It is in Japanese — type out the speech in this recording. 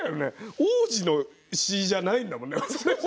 王子の詞じゃないもんね。